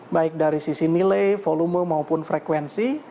baik dari sisi nilai volume maupun frekuensi